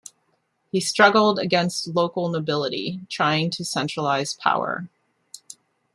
He struggled against local nobility, trying to centralize power.